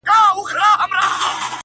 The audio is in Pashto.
جانانه څوک ستا د زړه ورو قدر څه پیژني.!